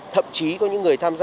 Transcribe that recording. thậm chí có những người tham gia